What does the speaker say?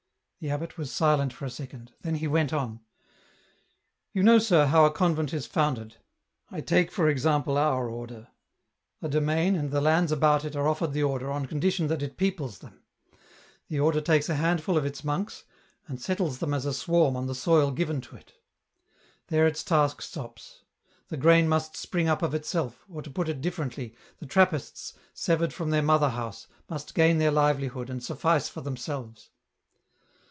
The abbot was silent for a second ; then he went on, " You know, sir, how a convent is founded. I take for example our Order. A domain and the lands about it are offered the Order on condition that it peoples them. The Order takes a handful of its monks, and settles them as a swarm on the soil given to it. There its task stops. The grain must spring up of itself, or to put it differently, the Trappists, severed from their mother house, must gain their livelihood, and suffice for themselves.